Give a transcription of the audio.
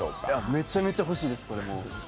めちゃめちゃ欲しいです。